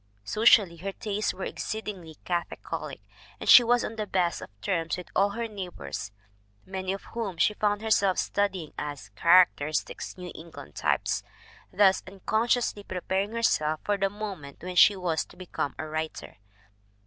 Socially, her tastes were exceedingly cath olic, and she was on the best of terms with all her neighbors, many of whom she found herself studying as characteristic New England types, thus uncon sciously preparing herself for the moment when she was to become a writer.